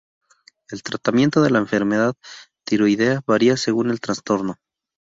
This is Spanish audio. El tratamiento de la enfermedad tiroidea varía según el trastorno.